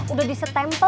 udah di setempo